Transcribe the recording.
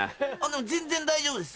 全然大丈夫です。